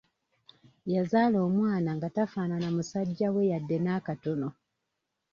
Yazaala omwana nga tafaanana musajja we yadde n'akatono.